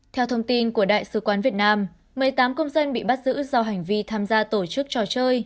theo thông tin của đại sứ quán việt nam một mươi tám công dân bị bắt giữ do hành vi tham gia tổ chức trò chơi